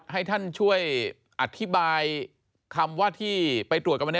ให้ท่านช่วยอธิบายคำว่าที่ไปตรวจกันวันนี้